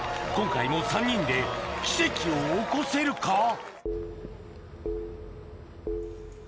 今回も３人で奇跡を起こせるか？